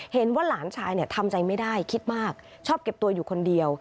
เห็นว่าหลานชายทำใจไม่ได้คิดมากชอบเก็บตัวอยู่คนเดียว